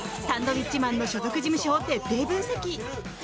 サンドウィッチマンの所属事務所を徹底分析。